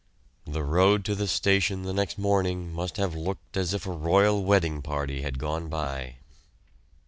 The road to the station the next morning must have looked as if a royal wedding party had gone by.